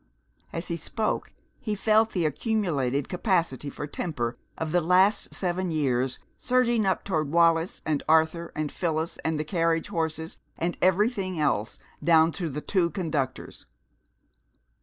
As he spoke he felt the accumulated capacity for temper of the last seven years surging up toward Wallis, and Arthur, and Phyllis, and the carriage horses, and everything else, down to the two conductors.